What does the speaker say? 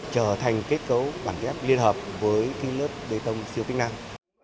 trở thành kết cấu bàn ghép liên hợp với cái lớp bê tông siêu kích năng